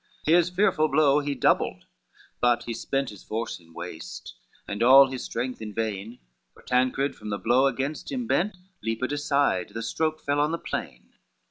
XXIV His fearful blow he doubled, but he spent His force in waste, and all his strength in vain; For Tancred from the blow against him bent, Leaped aside, the stroke fell on the plain.